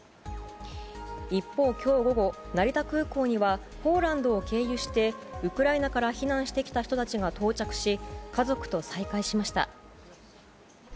一方、今日午後成田空港にはポーランドを経由してウクライナから避難してきた人たちが家族と再会しました。